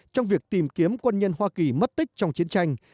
trong việc tìm kiếm quân nhân hoa kỳ mất tích trong chiến tranh